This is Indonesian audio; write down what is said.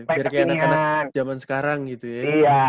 biar kayak anak anak zaman sekarang gitu ya